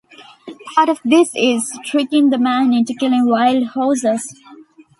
Part of this is tricking the man into killing wild horses.